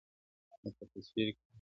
او په تصوير كي مي.